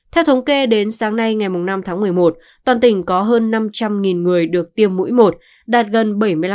theo thống kê đến sáng nay ngày năm tháng một mươi một toàn tỉnh có hơn năm trăm linh người được tiêm mũi một đạt gần bảy mươi năm